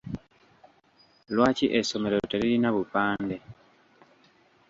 Lwaki essomero teririna bupande?